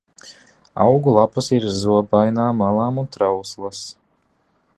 Augu lapas ir zobainām malām un trauslas.